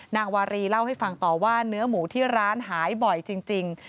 นางวารีเล่าให้ฟังต่อว่าเนื้อหมูที่ร้านหายบ่อยจริง